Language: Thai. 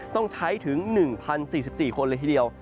ต้องใช้ถึง๑๐๔๔คนเลยทีเดียว